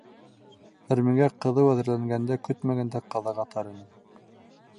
Әрмегә ҡыҙыу әҙерләнгәндә көтмәгәндә ҡазаға тарыным.